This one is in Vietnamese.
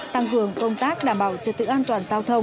tăng cường công tác đảm bảo trật tự an toàn giao thông